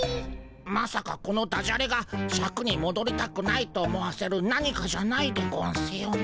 まさかこのダジャレがシャクにもどりたくないと思わせる何かじゃないでゴンスよね。